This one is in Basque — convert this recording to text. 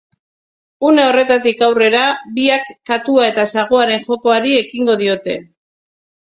Une horretatik aurrera, biak katua eta saguaren jokoari ekingo diote.